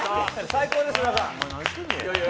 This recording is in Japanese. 最高です皆さん。